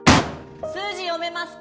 数字読めますか？